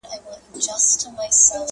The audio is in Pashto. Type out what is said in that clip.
چاویل چي بم ښایسته دی ښه مرغه دی!